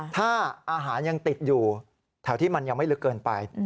ถ้าอาหารยังติดอยู่แถวที่มันยังไม่ลึกเกินไป